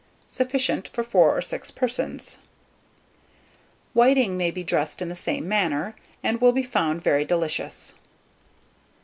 Sufficient for 4 or 6 persons. WHITING may be dressed in the same manner, and will be found very delicious.